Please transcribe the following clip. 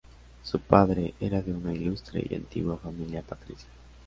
Su padre era de una ilustre y antigua familia patricia.